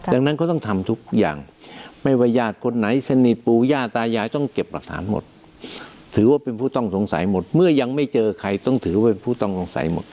ดังนั้นก็ต้องทำทุกอย่างไม่ว่าญาติคนไหนสนิทปู่ย่าตายายต้องเก็บหลักฐานหมดถือว่าเป็นผู้ต้องสงสัยหมดเมื่อยังไม่เจอใครต้องถือว่าเป็นผู้ต้องสงสัยหมด